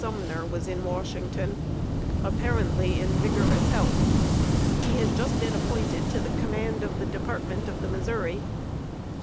Sumner was in Washington, apparently in vigorous health. He had just been appointed to the command of the Department of the Missouri.